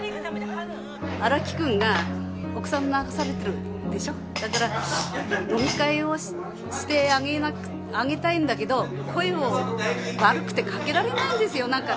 ハグ荒木くんが奥さん流されてるでしょだから飲み会をしてあげたいんだけど声を悪くてかけられないんですよ